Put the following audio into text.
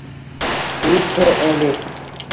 Етһә әле!